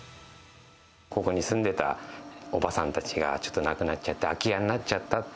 ここに住んでた伯母さんたちが、ちょっと亡くなっちゃって、空き家になっちゃった。